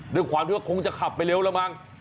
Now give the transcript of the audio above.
ด้วยความที่ว่าคงจะขับไปเร็วแล้วมั้ง